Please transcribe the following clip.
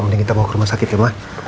mending kita mau ke rumah sakit ya mah